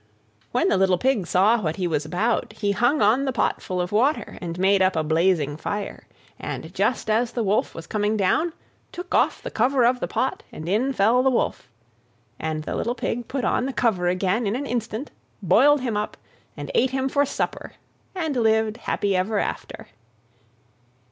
When the little Pig saw what he was about, he hung on the pot full of water, and made up a blazing fire, and, just as the Wolf was coming down, took off the cover of the pot, and in fell the Wolf. And the little Pig put on the cover again in an instant, boiled him up, and ate him for supper, and lived happy ever after.